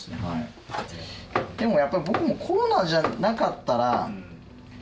でもやっぱり僕もコロナじゃなかったら。